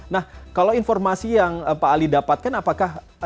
nah kalau informasi yang pak ali dapatkan apakah